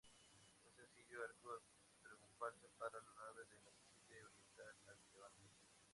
Un sencillo arco triunfal separa la nave del ábside, orientado a levante.